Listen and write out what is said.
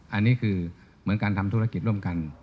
อันนี้คือเหมือนการทำธุรกิจร่วมกัน